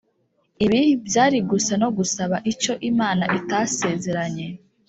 . Ibi byari gusa no gusaba icyo Imana itasezeranye